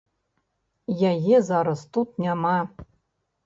Яе зараз тут няма.